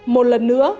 một lần nữa